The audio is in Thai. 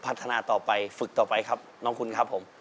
พัฒนาต่อไปฝึกต่อไปครับน้องคุณครับผม